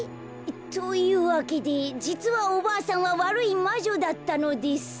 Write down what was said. というわけでじつはおばあさんはわるいまじょだったのです。